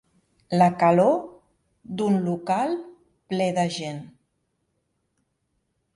La calor d'un local ple de gent.